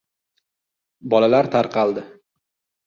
Bolalar tarqaldi.